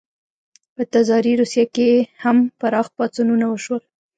په تزاري روسیه کې هم پراخ پاڅونونه وشول.